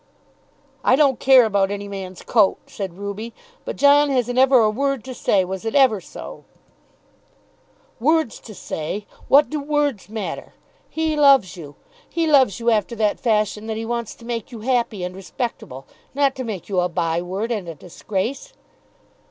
"I don't care about any man's coat," said Ruby; "but John hasn't ever a word to say, was it ever so." [Illustration: "I don't care about any man's coat."] "Words to say! what do words matter? He loves you. He loves you after that fashion that he wants to make you happy and respectable, not to make you a bye word and a disgrace."